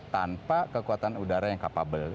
tanpa kekuatan udara yang capable